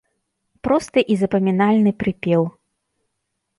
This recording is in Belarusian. Просты і запамінальны прыпеў.